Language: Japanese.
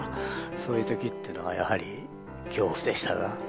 そういう時っていうのはやはり恐怖でしたが。